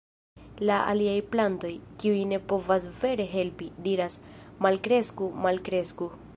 La aliaj plantoj, kiuj ne povas vere helpi, diras: "Malkresku! Malkresku!".